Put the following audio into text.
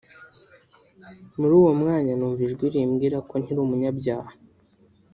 muri uwo mwanya numva ijwi rimbwira ko nkiri umunyabyaha